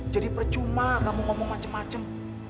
jadi percuma kamu ngomong macem macem